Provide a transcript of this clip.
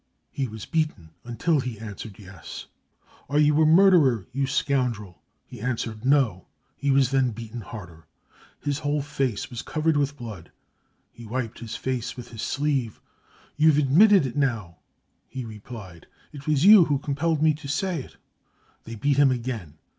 He was beaten until he answered 4 Yes. 5 4 Are you a murderer, you scoundrel ? 5 He answered c No. 5 He was then beaten harder. His whole face was covered with blood. He wiped»his face with his sleeve. 4 You've admitted it now. 5 He replied : 4 It was you who com pelled me to say it. 5 They beat him again.